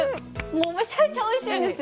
もうめちゃめちゃおいしいんですよ。